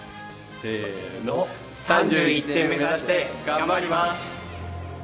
せの３１点目指して頑張ります！